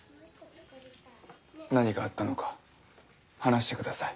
何があったのか話してください。